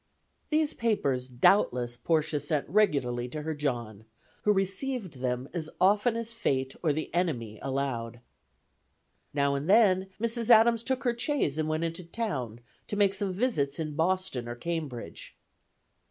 These papers, doubtless, Portia sent regularly to her John, who received them as often as Fate or the enemy allowed. Now and then Mrs. Adams took her chaise and went into town to make some visits in Boston or Cambridge.